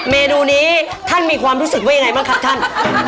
เมนูนี้ท่านมีความรู้สึกว่ายังไงบ้างครับท่าน